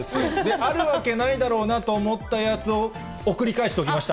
あるわけないだろうなと思ったやつを送り返しておきました。